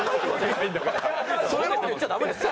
そんな事言っちゃダメですよ。